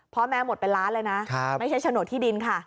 เพราะแม่หมดเป็นล้านเลยนะไม่ใช่ฉโนตที่ดินค่ะ